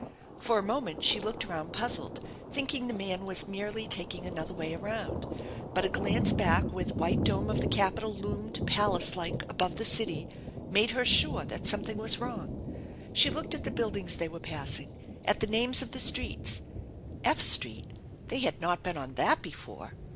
For a moment she looked around puzzled, thinking the man was merely taking another way around, but a glance back where the white dome of the Capitol loomed, palace like, above the city, made her sure that something was wrong. She looked j,t the buildings they were passing, at the names of the streets F Street they had not been on that before!